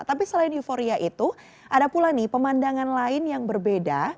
tapi selain euforia itu ada pula nih pemandangan lain yang berbeda